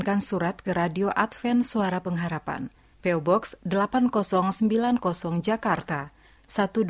bersama yesus damai selalu mengalir sepanjang waktu